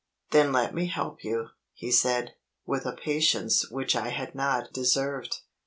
"Then let me help you," he said, with a patience which I had not deserved.